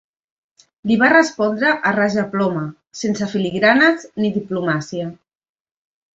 Li va respondre a rajaploma, sense filigranes ni diplomàcia.